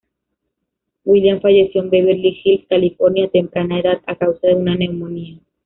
William falleció en Beverly Hills, California, a temprana edad a causa de una neumonía.